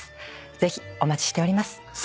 ぜひお待ちしております。